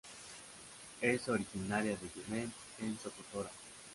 Es originaria de Yemen en Socotora.